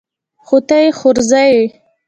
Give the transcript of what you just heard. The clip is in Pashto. خو ته يې خورزه يې.